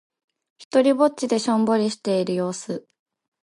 ひとりっぼちでしょんぼりしている様子。